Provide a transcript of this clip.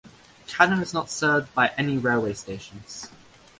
Kanna is not served by any railway stations.